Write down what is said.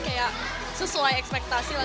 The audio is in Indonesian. kayak sesuai ekspektasi lah